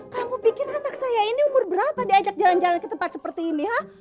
kamu pikir anak saya ini umur berapa diajak jalan jalan ke tempat seperti ini ya